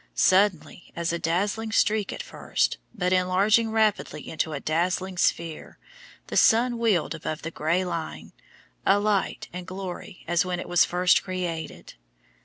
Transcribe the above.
Suddenly, as a dazzling streak at first, but enlarging rapidly into a dazzling sphere, the sun wheeled above the grey line, a light and glory as when it was first created.